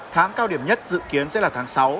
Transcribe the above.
tháng cao điểm nhất dự kiến sẽ là tháng sáu